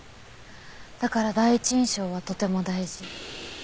だから第一印象はとても大事。